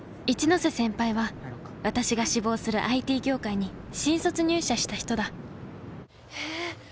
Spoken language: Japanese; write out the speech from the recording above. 一ノ瀬先輩は私が志望するＩＴ業界に新卒入社した人だへえ